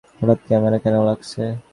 হঠাৎ ক্যামেরা কেন লাগছে?